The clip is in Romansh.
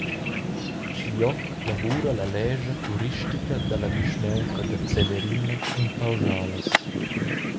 Schiglioc lavura la lescha turistica dalla vischnaunca da Celerina cun pauschalas.